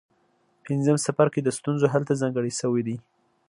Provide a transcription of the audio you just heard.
پنځم څپرکی د ستونزو حل ته ځانګړی شوی دی.